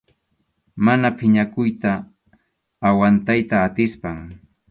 Mana phiñakuyta aguantayta atispam.